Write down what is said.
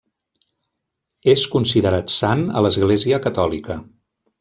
És considerat sant a l'Església Catòlica.